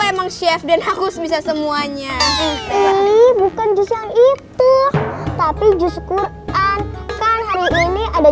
emang chef dan hapus bisa semuanya bukan justru itu tapi justru kan hari ini ada